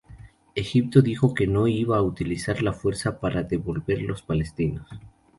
Egipto dijo que no iba a utilizar la fuerza para devolver los palestinos.